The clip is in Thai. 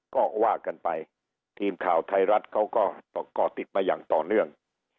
ก็ว่ากันไปทีมข่าวไทยรัฐเขาก็ก่อติดมาอย่างต่อเนื่อง